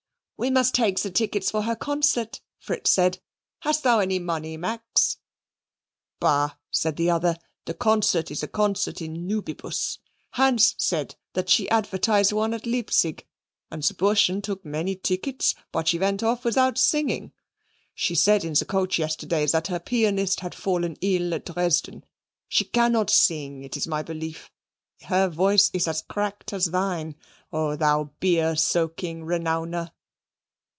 "We must take the tickets for her concert," Fritz said. "Hast thou any money, Max?" "Bah," said the other, "the concert is a concert in nubibus. Hans said that she advertised one at Leipzig, and the Burschen took many tickets. But she went off without singing. She said in the coach yesterday that her pianist had fallen ill at Dresden. She cannot sing, it is my belief: her voice is as cracked as thine, O thou beer soaking Renowner!"